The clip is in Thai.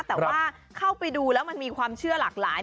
แต่ว่าเข้าไปดูแล้วมันมีความเชื่อหลากหลาย